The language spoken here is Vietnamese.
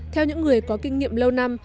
theo những người có kinh nghiệm lâu năm